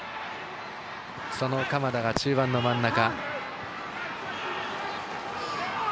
その鎌田が中盤の真ん中。